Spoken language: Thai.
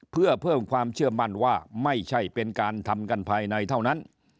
เพื่อเพิ่มความเชื่อมั่นว่าไม่ใช่เป็นการทำกันภายในเท่านั้น